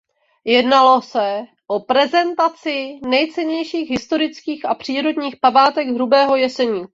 Jednalo se o prezentaci nejcennějších historických a přírodních památek Hrubého Jeseníku.